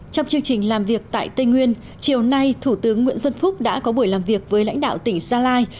trong chương trình làm việc tại tây nguyên chiều nay thủ tướng nguyễn xuân phúc đã có buổi làm việc với lãnh đạo tỉnh gia lai